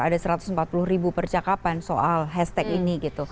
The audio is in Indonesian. ada satu ratus empat puluh ribu percakapan soal hashtag ini gitu